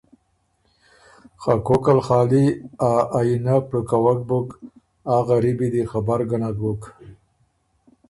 که کوکل خالی ا آئینۀ پړُقَوَک بُک، آ غریبي دی خبر ګۀ نک بُک